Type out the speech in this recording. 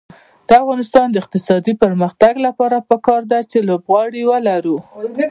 د افغانستان د اقتصادي پرمختګ لپاره پکار ده چې لوبغالي ولرو.